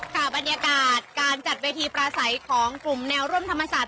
ค่ะบรรยากาศการจัดเวทีปราศัยของกลุ่มแนวร่วมธรรมศาสต